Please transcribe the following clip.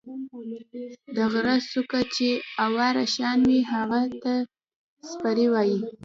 د غرۀ څُوكه چې اواره شان وي هغې ته څپرے وائي۔